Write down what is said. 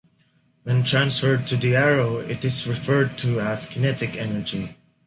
When transferred to the arrow it is referred to as kinetic energy.